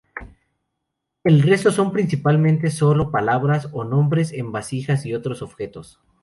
El resto son, principalmente, sólo palabras o nombres en vasijas y otros objetos.